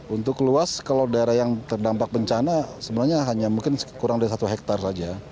untuk luas kalau daerah yang terdampak bencana sebenarnya hanya mungkin kurang dari satu hektare saja